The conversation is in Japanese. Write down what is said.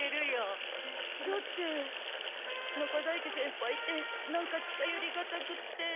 だって中在家先輩ってなんか近寄りがたくって。